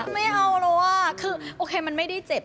ไม่เอาแล้วอ่ะคือโอเคมันไม่ได้เจ็บ